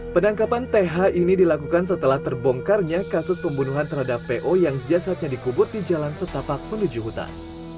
penangkapan th ini dilakukan setelah terbongkarnya kasus pembunuhan terhadap po yang jasadnya dikubur di jalan setapak menuju hutan